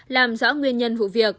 làm rõ nguyên nhân